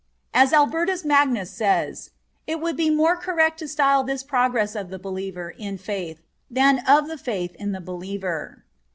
As Albertus Magnus says: "It would be more correct to style this the progress of the believer in the faith than of the faith in the believer."